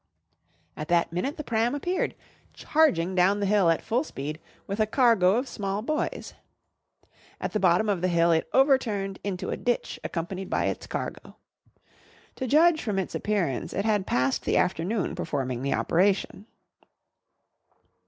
At that minute the pram appeared, charging down the hill at full speed with a cargo of small boys. At the bottom of the hill it overturned into a ditch accompanied by its cargo. To judge from its appearance, it had passed the afternoon performing the operation.